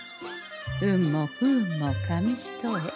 運も不運も紙一重。